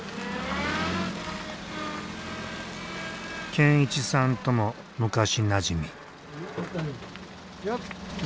健一さんとも昔なじみ。